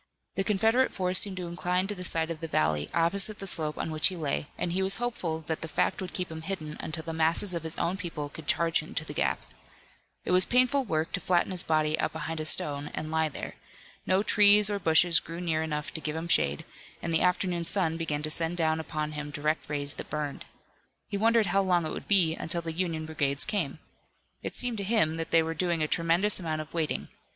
The Confederate force seemed to incline to the side of the valley, opposite the slope on which he lay, and he was hopeful that the fact would keep him hidden until the masses of his own people could charge into the gap. It was painful work to flatten his body out behind a stone and lie there. No trees or bushes grew near enough to give him shade, and the afternoon sun began to send down upon him direct rays that burned. He wondered how long it would be until the Union brigades came. It seemed to him that they were doing a tremendous amount of waiting.